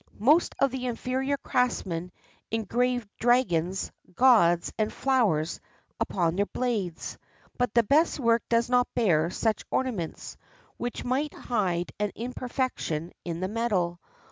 Many of the inferior craftsmen engraved dragons, gods, and flowers upon their blades, but the best work does not bear such ornaments, which might hide an imperfection in the metal.